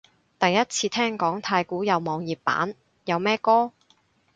第一次聽講太鼓有網頁版，有咩歌？